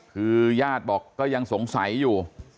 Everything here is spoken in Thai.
คือญาติบอกก็ยังสงสัยอยู่